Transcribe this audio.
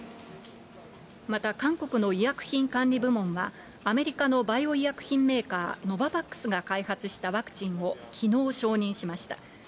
また韓国の医薬品管理部門は、アメリカのバイオ医薬品メーカー、ノババックスが開発したワクチンをきのう承認しました。